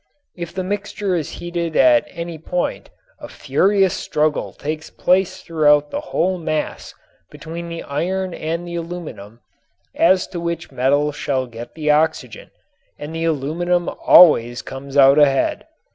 If the mixture is heated at any point a furious struggle takes place throughout the whole mass between the iron and the aluminum as to which metal shall get the oxygen, and the aluminum always comes out ahead.